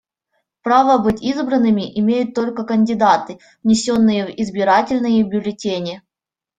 Право быть избранными имеют только кандидаты, внесенные в избирательные бюллетени.